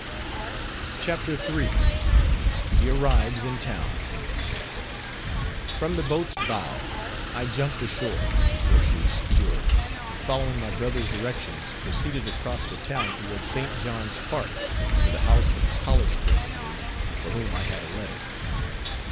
CHAPTER III. HE ARRIVES IN TOWN From the boat's bow, I jumped ashore, before she was secured, and following my brother's directions, proceeded across the town toward St. John's Park, to the house of a college friend of his, for whom I had a letter.